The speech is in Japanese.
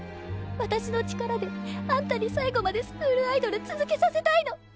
私の力であんたに最後までスクールアイドル続けさせたいの。